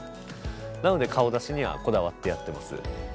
なので顔出しにはこだわってやってます。